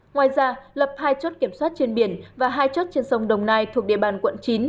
ngoài ra lập hai chốt kiểm soát trên biển và hai chốt trên sông đồng nai thuộc địa bàn quận chín